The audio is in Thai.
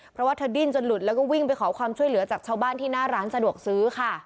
เพราะว่าเธอดิ้นจนหลุดแล้วก็วิ่งไปขอความช่วยเหลือจากชาวบ้านที่หน้าร้านสะดวกซื้อค่ะ